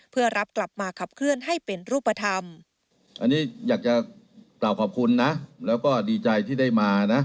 เพื่อรับกลับมาขับเคลื่อนให้เป็นรูปธรรม